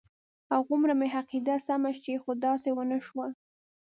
هغومره به مې عقیده سمه شي خو داسې ونه شول.